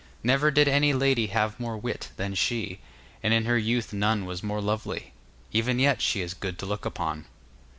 Never did any lady have more wit than she, and in her youth none was more lovely; even yet she is good to look upon.